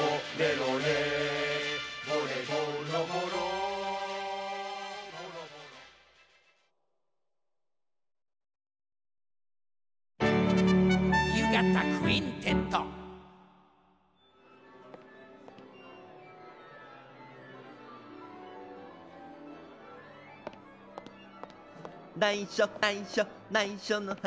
ないしょないしょないしょの話はあのねのね。